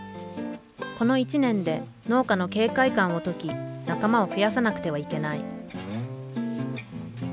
この１年で農家の警戒感を解き仲間を増やさなくてはいけない。